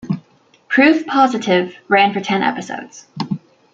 "Proof Positive" ran for ten episodes.